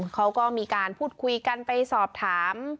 เขาก็มีการพูดคุยกันไปสอบถาม